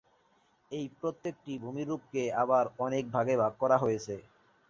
এই প্রত্যেকটি ভূমিরূপ কে আবার অনেক ভাগে ভাগ করা হয়েছে।